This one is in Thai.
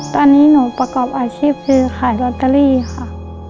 ตอนนี้หนูประกอบอาชีพซื้อขายลอตเตอรี่ค่ะ